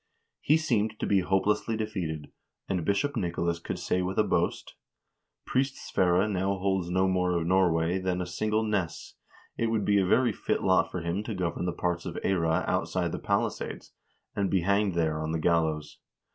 He seemed to be hopelessly defeated, and Bishop Nicolas could say with a boast: "Priest Sverre now holds no more of Norway than a single ness ; it would be a very fit lot for him to govern the part of Eyra outside the palisades, and be hanged there on the gallows.